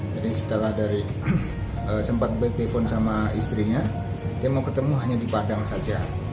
jadi setelah dari sempat bertelepon sama istrinya dia mau ketemu hanya di padang saja